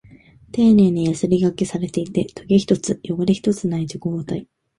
丁寧にヤスリ掛けされていて、トゲ一つ、汚れ一つない直方体。